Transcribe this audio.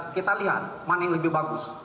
kita lihat mana yang lebih bagus